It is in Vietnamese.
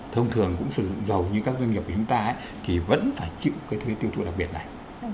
thông thường cũng sử dụng dầu như các doanh nghiệp của chúng ta thì vẫn phải chịu thuế tiêu thụ đặc biệt này